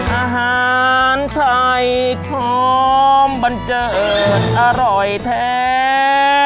อาหารไทยพร้อมบันเจิญอร่อยแท้